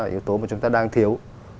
yếu tố mà chúng ta đang thiếu